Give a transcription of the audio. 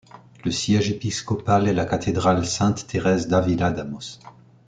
Le siège épiscopal est la cathédrale Sainte-Thérèse-d'Avila d'Amos.